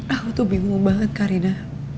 aku tuh bingung banget karina